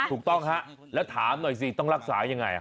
ถูกต้องฮะแล้วถามหน่อยสิต้องรักษายังไง